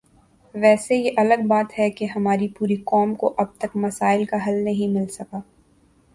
ویسے یہ الگ بات ہے کہ ہماری پوری قوم کو اب تک مسائل کا حل نہیں مل سکا